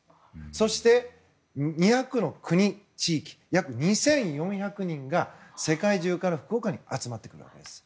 そして、２００の国、地域約２４００人が世界中から福岡に集まってきます。